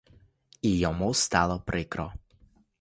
І йому стало прикро.